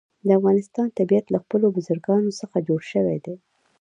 د افغانستان طبیعت له خپلو بزګانو څخه جوړ شوی دی.